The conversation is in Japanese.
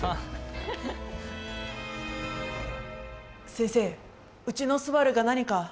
先生うちの昴が何か？